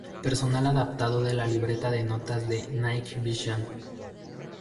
Personal adaptado de la libreta de notas de "Night Visions".